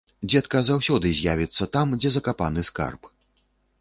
Дзедка заўсёды з'явіцца там, дзе закапаны скарб.